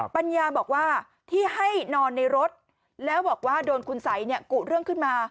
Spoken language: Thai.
ปัญญาบอกว่าที่ให้นอนในรถแล้วบอกว่าโดนคุณสัยกุเรื่องขึ้นมา